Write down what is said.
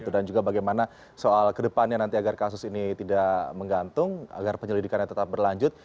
dan juga bagaimana soal kedepannya nanti agar kasus ini tidak menggantung agar penyelidikannya tetap berlanjut